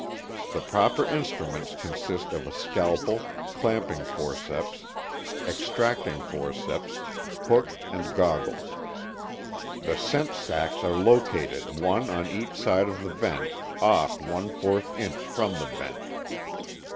The proper instruments consist of a scalpel, clamping forceps, extracting forceps, hook and goggles. The scent sacks are located one on each side of the vent off one fourth inch from the vent.